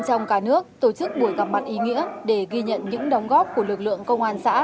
trong cả nước tổ chức buổi gặp mặt ý nghĩa để ghi nhận những đóng góp của lực lượng công an xã